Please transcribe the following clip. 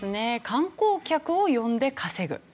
観光客を呼んで稼ぐ。